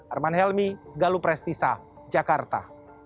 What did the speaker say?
arman helmy galu prestisa jakarta